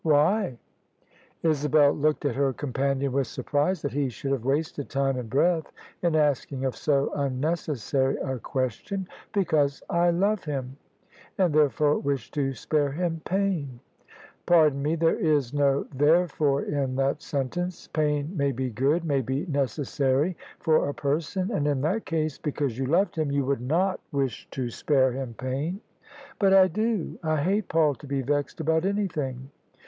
"Why?" Isabel looked at her companion with surprise that he should have wasted time and breath in the asking of so unnecessary a question. " Because I love him, and there fore wish to spare him pain." " Pardon me, there is no ' therefore ' in that sentence. Pain may be good — ^may be necessary — for a person; and in that case because you loved him, you would not wish to spare him pain." " But I do. I hate Paul to be vexed about anything."